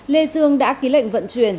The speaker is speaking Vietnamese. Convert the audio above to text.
lê dương đã ký lệnh vận chuyển